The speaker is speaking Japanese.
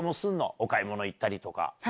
お買い物行ったりとか。